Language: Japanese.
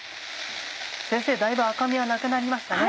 先生だいぶ赤みはなくなりましたね。